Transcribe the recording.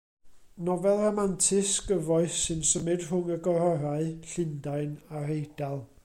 Nofel ramantus, gyfoes sy'n symud rhwng y gororau, Llundain a'r Eidal.